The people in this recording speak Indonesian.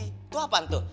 itu apaan tuh